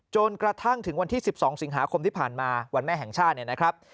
จนกระทั่งถึงวันที่๑๒สิงหาคมที่ผ่านมาวันแม่แห่งชาติเนี่ยนะครับ